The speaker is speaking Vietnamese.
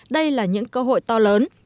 đây là những cơ hội to lớn